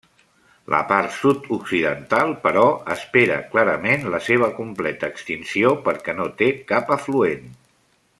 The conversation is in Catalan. La part sud-occidental, però, espera clarament la seva completa extinció perquè no té cap afluent.